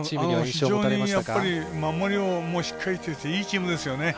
非常に守りもしっかりしてるしいいチームですよね。